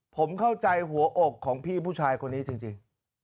ผมเข้าใจหัวอกของพี่ผู้ชายคนนี้จริง